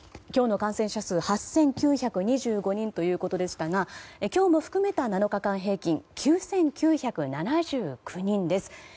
今日の感染者数８９２５人ということでしたが今日も含めた７日間平均は９９７９人です。